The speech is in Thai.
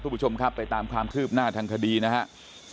คุณผู้ชมครับไปตามความคืบหน้าทางคดีนะครับ